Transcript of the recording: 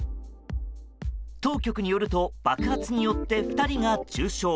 当局によると爆発によって２人が重傷。